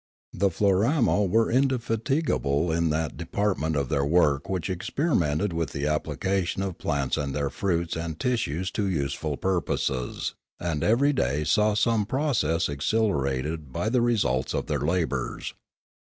The Floramo were indefatigable in that de partment of their work which experimented with the application of plants and their fruits and tissues to use Discoveries 327 ful purposes, and every day saw some process accel erated by the results of their labours.